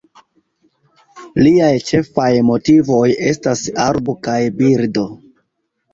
Liaj ĉefaj motivoj estas arbo kaj birdo.